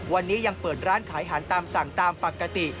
วันนี้ยังเปิดร้านขายอาหารตามสั่งตามปกติ